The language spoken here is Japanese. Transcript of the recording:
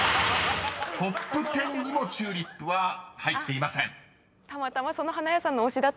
［トップ１０にも「チューリップ」は入っていません］